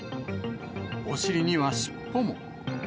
お尻には尻尾も。